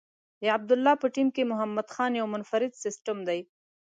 د عبدالله په ټیم کې محمد خان یو منفرد سیسټم دی.